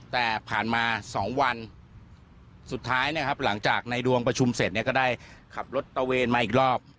แต่ผ่านมา๒วันสุดท้ายนะครับหลังจากในดวงประชุมเสร็จเนี่ยก็ได้ขับรถตะเวนมาอีกรอบ